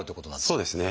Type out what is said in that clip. そうですね。